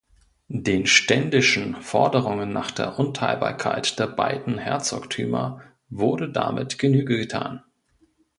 Den ständischen Forderungen nach der Unteilbarkeit der beiden Herzogtümer wurde damit Genüge getan.